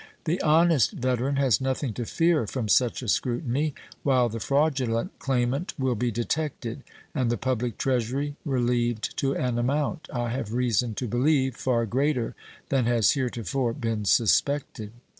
The honest veteran has nothing to fear from such a scrutiny, while the fraudulent claimant will be detected and the public Treasury relieved to an amount, I have reason to believe, far greater than has heretofore been suspected.